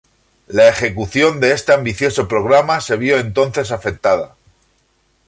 La ejecución de este ambicioso programa se vio entonces afectada.